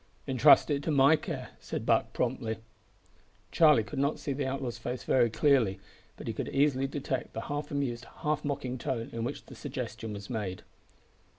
"Intrust it to my care," said Buck promptly. Charlie could not see the outlaw's face very clearly, but he could easily detect the half amused half mocking tone in which the suggestion was made.